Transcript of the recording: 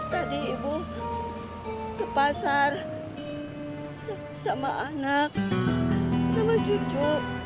tadi ibu ke pasar sama anak sama cucu